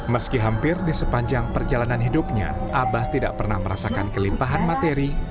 meski hampir di sepanjang perjalanan hidupnya abah tidak pernah merasakan kelimpahan materi